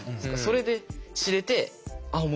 それで知れてあっ